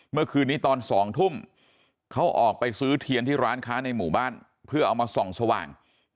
เมื่อคืนนี้ตอน๒ทุ่มเขาออกไปซื้อเทียนที่ร้านค้าในหมู่บ้านเพื่อเอามาส่องสว่าง